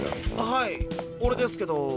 はいオレですけど。